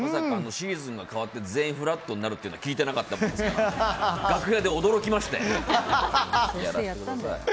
シーズンが変わって全員、フラットになるっていうのは聞いてなかったものですから楽屋で驚きましたよ。